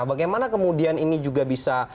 bagaimana kemudian ini juga bisa